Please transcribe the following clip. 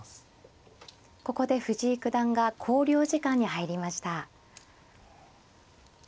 ここで藤井九段が考慮時間に入りました。